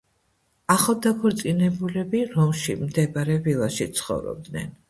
ახალდაქორწინებულები რომში მდებარე ვილაში ცხოვრობდნენ.